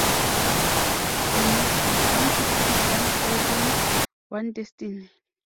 The Motto: One People, One Caribbean, One Destiny.